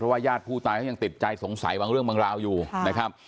ญาติผู้ตายเขายังติดใจสงสัยบางเรื่องบางราวอยู่นะครับ